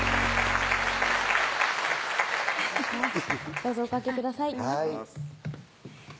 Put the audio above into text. どうぞおかけください